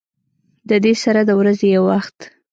د دې سره د ورځې يو وخت